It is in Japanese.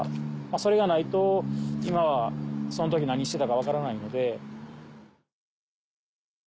それがないと今はその時何してたか分からないので。